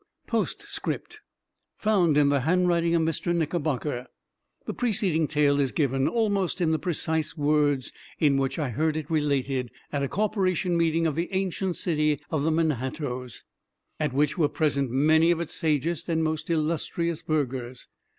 POSTSCRIPT FOUND IN THE HANDWRITING OF MR. KNICKERBOCKER The preceding Tale is given, almost in the precise words in which I heard it related at a Corporation meeting of the ancient city of the Manhattoes, at which were present many of its sagest and most illustrious burghers.